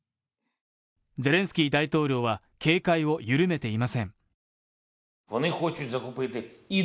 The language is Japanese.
ゼレンスキー大統領は警戒を緩めていません。